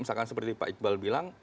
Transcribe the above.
misalkan seperti pak iqbal bilang